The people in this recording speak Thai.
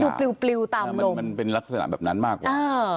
มันดูปลิวปลิวตามลมมันเป็นลักษณะแบบนั้นมากกว่าอ่า